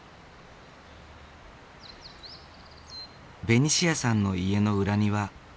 ベニシアさんの家の裏庭。